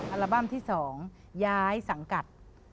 อัลบั้มที่๒ย้ายสังกัด